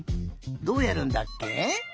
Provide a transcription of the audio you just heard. どうやるんだっけ？